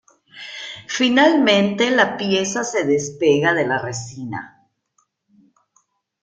Finalmente la pieza se despega de la resina.